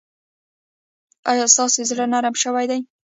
ایا ستاسو زړه نرم شوی دی؟